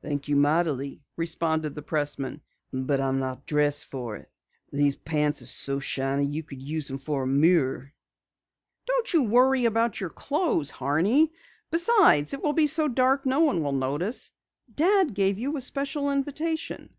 "Thank you mightily," responded the pressman, "but I'm not dressed for it. These pants are so shiny you could use 'em for a mirror." "Don't you worry about your clothes, Horney. Besides, it will be so dark no one will notice. Dad gave you a special invitation."